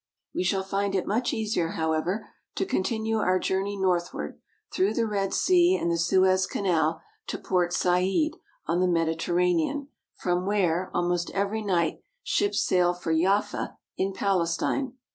We shall find it much easier, however, to continue our journey northward, through the Red Sea and the Suez Canal, to Port Said on the Mediterranean, from where, al most every night, ships sail for Yafa in Palestine.